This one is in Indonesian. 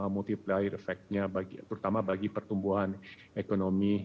multiply effect nya terutama bagi pertumbuhan ekonomi